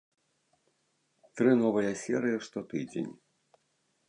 Тры новыя серыі штотыдзень!